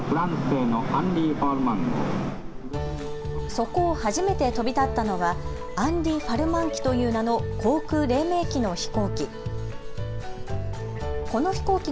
そこを初めて飛び立ったのはアンリ・ファルマン機という名の航空れい明期の飛行機。